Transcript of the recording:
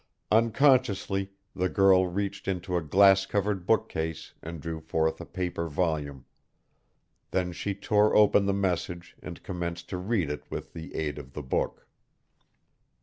Unconsciously the girl reached into a glass covered bookcase and drew forth a paper volume. Then she tore open the message and commenced to read it with the aid of the book.